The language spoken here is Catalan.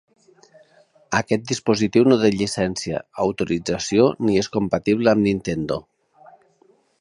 Aquest dispositiu no té llicència, autorització ni és compatible amb Nintendo.